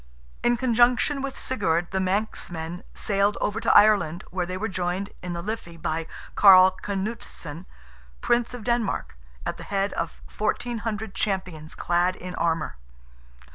In conjunction with Sigurd, the Manxmen sailed over to Ireland, where they were joined, in the Liffey, by Carl Canuteson, Prince of Denmark, at the head of 1400 champions clad in armour.